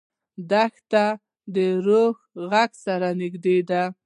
دښته د روح له غږ سره نږدې ده.